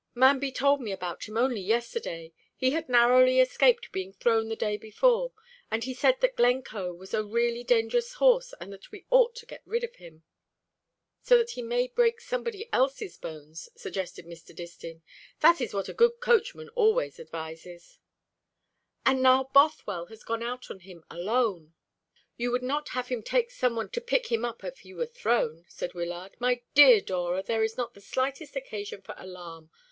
"Manby told me about him only yesterday. He had narrowly escaped being thrown the day before; and he said that Glencoe was a really dangerous horse, and that we ought to get rid of him." "So that he may break somebody else's bones," suggested Mr. Distin. "That is what a good coachman always advises." "And now Bothwell has gone out on him, alone." "You would not have him take some one to pick him up if he were thrown," said Wyllard. "My dear Dora, there is not the slightest occasion for alarm.